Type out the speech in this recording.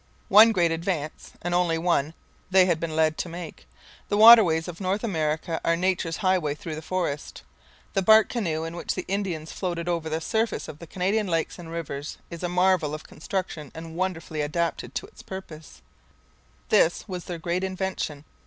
One great advance, and only one, they had been led to make. The waterways of North America are nature's highway through the forest. The bark canoe in which the Indians floated over the surface of the Canadian lakes and rivers is a marvel of construction and wonderfully adapted to its purpose: This was their great invention.